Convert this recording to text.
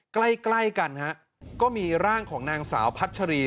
ใกล้ใกล้กันฮะก็มีร่างของนางสาวพัชรี